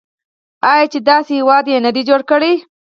آیا چې داسې هیواد یې نه دی جوړ کړی؟